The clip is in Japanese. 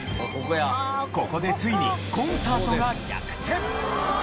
ここでついにコンサートが逆転。